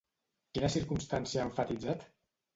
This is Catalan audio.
Quina circumstància ha emfatitzat?